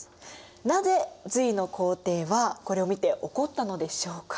なぜ隋の皇帝はこれを見て怒ったのでしょうか？